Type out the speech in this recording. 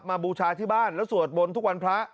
บูชาที่บ้านแล้วสวดบนทุกวันพระ